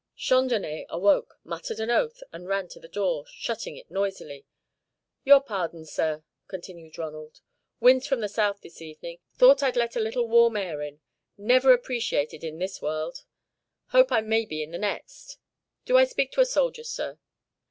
Chandonnais awoke, muttered an oath, and ran to the door, shutting it noisily. "Your pardon, sir," continued Ronald. "Wind's from the south this evening. Thought I'd let a little warm air in. Never appreciated in this world. Hope I may be in the next. Do I speak to a soldier, sir?"